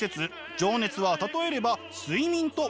情熱は例えれば睡眠と同じ。